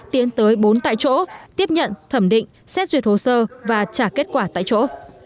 tiến tới bốn tại chỗ tiếp nhận thẩm định xét duyệt hồ sơ và trả kết quả tại chỗ